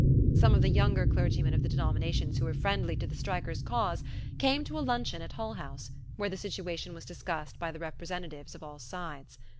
Some of the younger clergymen of the denominations who were friendly to the strikers' cause came to a luncheon at Hull House, where the situation was discussed by the representatives of all sides.